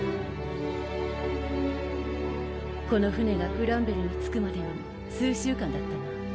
この船がグランベルに着くまでの数週間だったが。